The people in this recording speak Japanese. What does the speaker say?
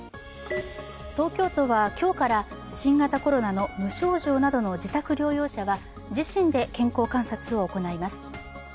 東京都は今日から新型コロナの無症状などの自宅療養者は自身で健康観察を行います。